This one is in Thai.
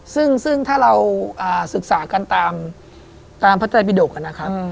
ซึ่งถ้าเราศึกษากันตามพัฒนาปิดกรรมนะครับ